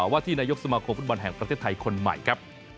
ว่าที่นายกสมาคมฟุตบอลแห่งประเทศไทยคนใหม่ครับ